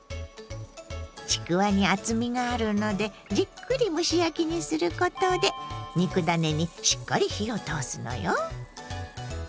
ちくわに厚みがあるのでじっくり蒸し焼きにすることで肉ダネにしっかり火を通すのよ。